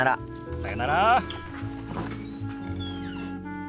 さよなら。